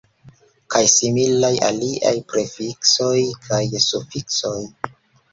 Kaj similaj aliaj prefiksoj kaj sufiksoj.